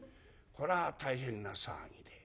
こら大変な騒ぎで。